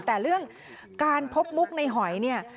แต่เรื่องการพบมุกในหอย